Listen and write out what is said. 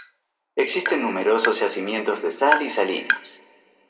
Existen numerosos yacimientos de sal y salinas.